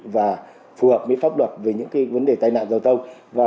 và phù hợp với pháp luật về những vấn đề tai nạn giao thông